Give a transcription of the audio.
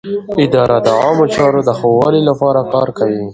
اداره د عامه چارو د ښه والي لپاره کار کوي.